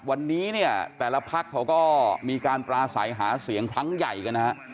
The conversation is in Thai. วันนี้เนี่ยแต่ละพักเขาก็มีการปราศัยหาเสียงครั้งใหญ่กันนะฮะ